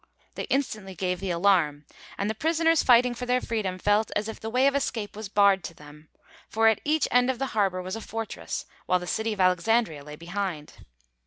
They instantly gave the alarm, and the prisoners fighting for their freedom felt as if the way of escape was barred to them. For at each end of the harbour was a fortress, while the city of Alexandria lay behind.